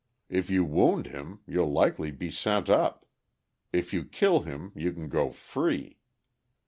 If you wound him, you'll likely be sent up; if you kill him, you can go free.